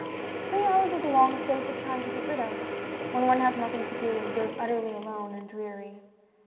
Three hours is a long space of time to get rid of, when one has nothing to do, and feels utterly alone and dreary.